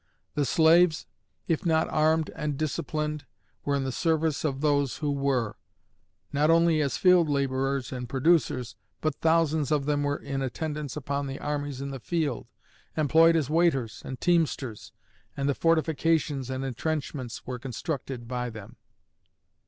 The slaves, if not armed and disciplined, were in the service of those who were, not only as field laborers and producers, but thousands of them were in attendance upon the armies in the field, employed as waiters and teamsters, and the fortifications and intrenchments were constructed by them."